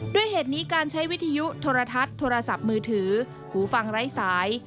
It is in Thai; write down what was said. ด้วยเหตุนี้การใช้วิทยุโทรทัศน์โทรศัพท์มือถือหูฟังไร้สาย